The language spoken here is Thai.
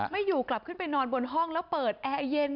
ไม่อยู่กลับขึ้นไปนอนบนห้องแล้วเปิดแอร์เย็น